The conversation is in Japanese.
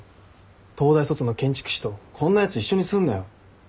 東大卒の建築士とこんなやつ一緒にすんなよ。